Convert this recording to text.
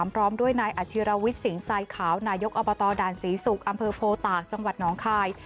พร้อมด้วยนายอัจิรวิทธ์สิงห์ซัยขาวนายกอบตด่านสีสุขอำเภอโพตาจังหวัดนองคาย